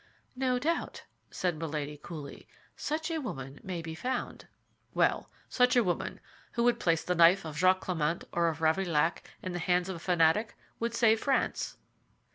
"No doubt," said Milady, coolly, "such a woman may be found." "Well, such a woman, who would place the knife of Jacques Clément or of Ravaillac in the hands of a fanatic, would save France."